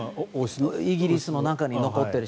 イギリスの中に残っている。